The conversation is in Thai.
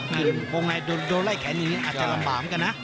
มองไหนโดดล่าไหลแขนหนีอาจจะลำบามกันนะ